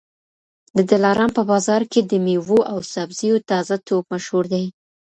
د دلارام په بازار کي د مېوو او سبزیو تازه توب مشهور دی.